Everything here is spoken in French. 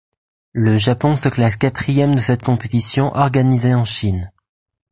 Le Japon se classe quatrième de cette compétition organisée en Chine.